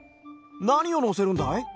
なにをのせるんだい？